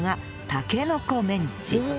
たけのこメンチ。